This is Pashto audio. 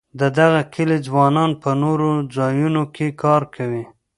د دغه کلي ځوانان په نورو ځایونو کې کار کوي.